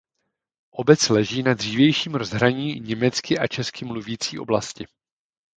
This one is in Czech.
Obec leží na dřívějším rozhraní německy a česky mluvící oblasti.